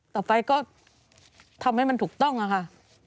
ต่อไปทำกับถูกต้องค่ะ